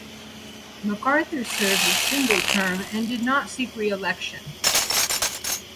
McArthur served a single term and did not seek re-election.